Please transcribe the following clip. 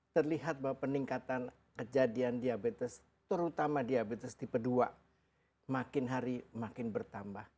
terlihat bahwa peningkatan kejadian diabetes terutama diabetes tipe dua makin hari makin bertambah